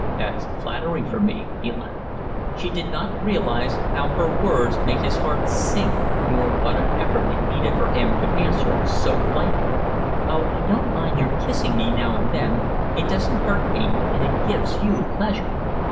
"That's flattering for me," he laughed. She did not realise how her words made his heart sink nor what an effort it needed for him to answer so lightly. "Oh, I don't mind your kissing me now and then. It doesn't hurt me and it gives you pleasure."